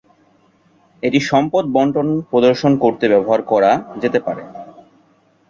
এটি সম্পদ বণ্টন প্রদর্শন করতে ব্যবহার করা যেতে পারে।